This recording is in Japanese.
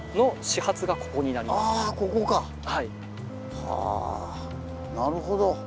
はぁなるほど。